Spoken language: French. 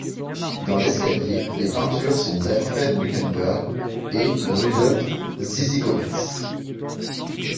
Dans l'escalier, les peintures sont d'Alfred Wickenburg et Rudolf Szyszkowitz.